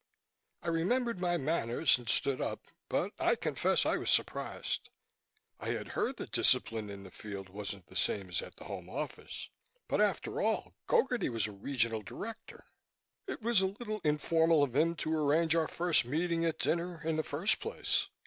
I remembered my manners and stood up, but I confess I was surprised. I had heard that discipline in the field wasn't the same as at the Home Office, but after all Gogarty was a Regional Director! It was a little informal of him to arrange our first meeting at dinner, in the first place.